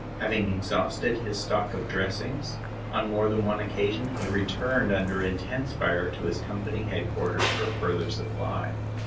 Having exhausted his stock of dressings, on more than one occasion he returned under intense fire to his company headquarters for a further supply.